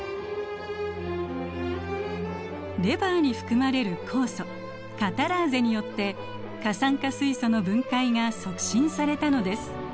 レバーに含まれる酵素カタラーゼによって過酸化水素の分解が促進されたのです。